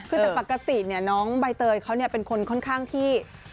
คือแต่ปกติเนี่ยน้องใบเตยเขาเนี่ยเป็นคนค่อนข้างที่